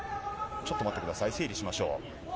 ちょっと待ってください、整理しましょう。